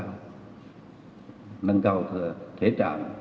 nâng cao thể trạng